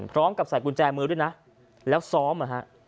พร้อมกับใส่กุญแจมือด้วยนะแล้วซ้อมอ่ะฮะ